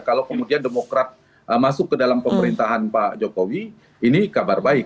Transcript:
kalau kemudian demokrat masuk ke dalam pemerintahan pak jokowi ini kabar baik